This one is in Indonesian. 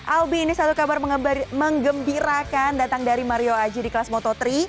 albi ini satu kabar mengembirakan datang dari mario aji di kelas moto tiga